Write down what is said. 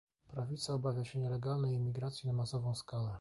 Prawica obawia się nielegalnej imigracji na masową skalę